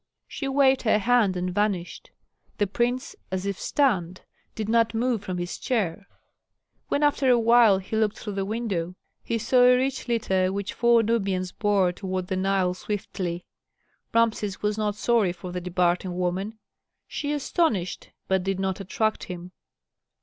She waved her hand and vanished. The prince, as if stunned, did not move from his chair. When after a while he looked through the window, he saw a rich litter which four Nubians bore toward the Nile swiftly. Rameses was not sorry for the departing woman; she astonished, but did not attract him.